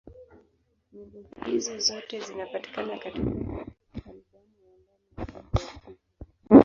Nyimbo hizo zote zinapatikana katika albamu ya Ndani ya Bongo ya Sugu.